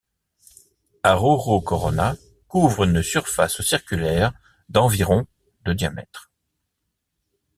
Aruru Corona couvre une surface circulaire d'environ de diamètre.